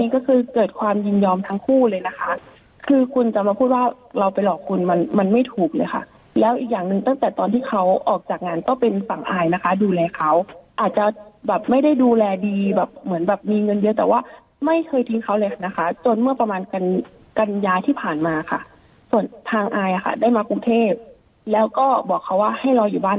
ก็คือเกิดความยินยอมทั้งคู่เลยนะคะคือคุณจะมาพูดว่าเราไปหลอกคุณมันมันไม่ถูกเลยค่ะแล้วอีกอย่างหนึ่งตั้งแต่ตอนที่เขาออกจากงานก็เป็นฝั่งอายนะคะดูแลเขาอาจจะแบบไม่ได้ดูแลดีแบบเหมือนแบบมีเงินเยอะแต่ว่าไม่เคยทิ้งเขาเลยนะคะจนเมื่อประมาณกันกัญญาที่ผ่านมาค่ะส่วนทางอายค่ะได้มากรุงเทพแล้วก็บอกเขาว่าให้รออยู่บ้าน